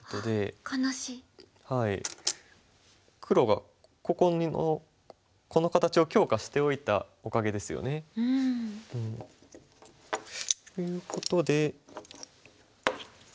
黒がこの形を強化しておいたおかげですよね。ということで。